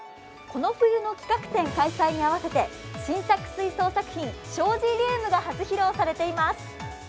この冬の企画展開催に合わせて新作水槽作品、「障子リウム」が初披露されています。